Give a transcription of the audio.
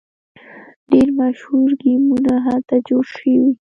ډیر مشهور ګیمونه هلته جوړ شوي.